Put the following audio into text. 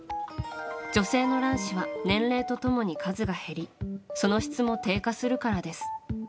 女性の卵子は年齢と共に数が減りその質も低下するからです。